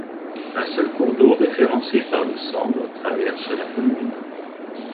Un seul cours d'eau référencé par le Sandre traverse la commune.